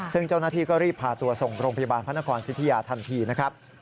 ซึ่งเจ้าหน้าที่ก็รีบพาตัวส่งโรงพยาบาลพระนครสิทธิยาทันทีนะครับ